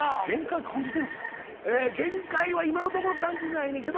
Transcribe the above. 限界は今のところ感じてないねんけど。